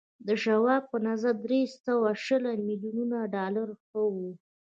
د شواب په نظر درې سوه شل ميليونه ډالر ښه و